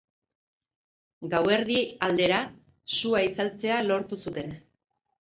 Gauerdi aldera sua itzaltzea lortu zuten.